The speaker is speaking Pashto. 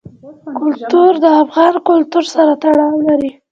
کلتور د افغان کلتور سره تړاو لري.